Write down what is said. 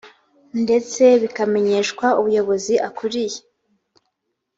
ndetse bikamenyeshwa ubuyobozi akuriye